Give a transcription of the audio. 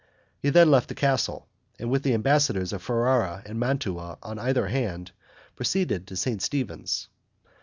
He then left the castle, and, with the ambassadors of Ferrara and Mantua on either hand, proceeded to St. Stephen's.